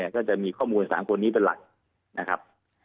ก็จะมีข้อมูล๓คนนี้เป็นหลักนะครับ